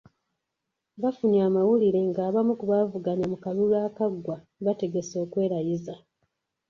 Bafunye amawulire ng'abamu ku baavuganya mu kalulu akaggwa bategese okwerayiza.